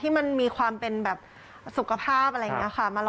ที่มันมีความเป็นแบบสุขภาพอะไรอย่างนี้ค่ะ